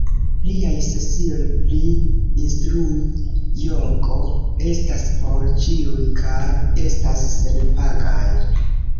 Liaj sesioj pri instrui jogo estas por ĉiuj kaj estas senpagaj.